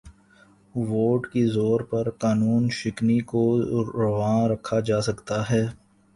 Vote کے زور پر قانون شکنی کو روا رکھا جا سکتا ہے۔